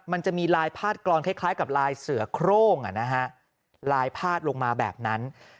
มันจะมีลายพาดกรอนคล้ายกับลายเสือโครงลายพาดลงมาแบบนั้น